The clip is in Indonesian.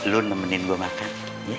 lu nemenin gua makan